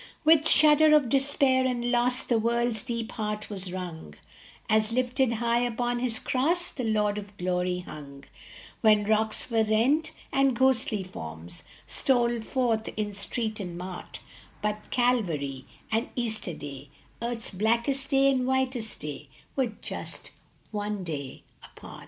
With shudder of despair and loss The world s deep heart was wrung, As lifted high upon his cross The Lord of Glory hung, When rocks were rent, and ghostly forms Stole forth in street and mart ; But Calvary and Easter Day, Earth s blackest day and whitest day, Were just one day apart